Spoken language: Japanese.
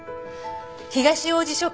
東王子署